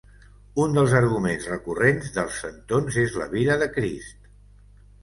Un dels arguments recurrents dels centons és la vida de Crist.